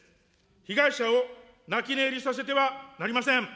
被害者を泣き寝入りさせてはなりません。